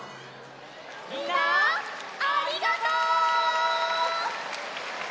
みんなありがとう！